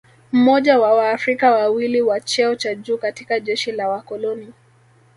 Mmoja wa Waafrika wawili wa cheo cha juu katika jeshi la wakoloni